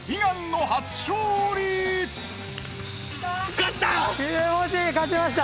勝った！